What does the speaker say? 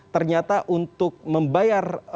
ternyata untuk membayar